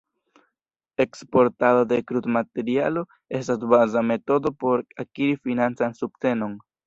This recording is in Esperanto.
Eksportado de krudmaterialo estas baza metodo por akiri financan subtenon.